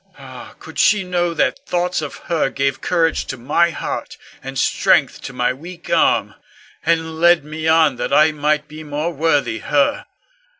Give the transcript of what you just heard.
Ah, could she know that thoughts of her gave courage to my heart, and strength to my weak arm, and led me on that I might be more worthy her!